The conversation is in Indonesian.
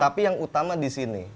tapi yang utama di sini